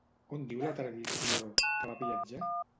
On diu la tradició que va viatjar?